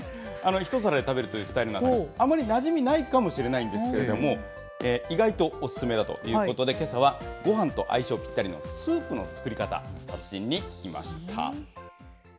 一皿で食べるというスタイルなんですけど、あまりなじみないかもしれないですけれども、意外とお勧めだということで、けさは、ごはんと相性ぴったりのスープの作り方、達人に聞きました。